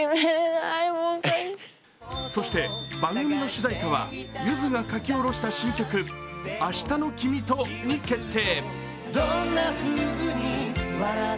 そして番組の主題歌は、ゆずが書き下ろした新曲、「明日の君と」に決定。